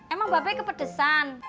emang babay kepedesan